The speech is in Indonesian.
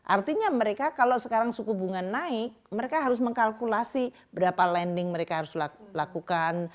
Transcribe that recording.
artinya mereka kalau sekarang suku bunga naik mereka harus mengkalkulasi berapa lending mereka harus lakukan